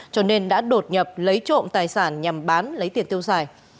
cho nên đã đột nhập lấy trộm tài sản nhằm bán lấy tiền tiêu xài